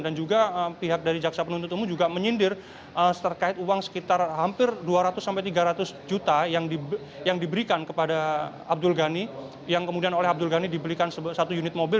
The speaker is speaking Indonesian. dan juga pihak dari jaksa penuntut umum juga menyindir terkait uang sekitar hampir dua ratus sampai tiga ratus juta yang diberikan kepada abdul ghani yang kemudian oleh abdul ghani diberikan satu unit mobil